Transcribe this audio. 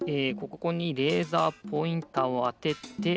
ここにレーザーポインターをあてて。